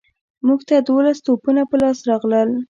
موږ ته دوولس توپونه په لاس راغلل.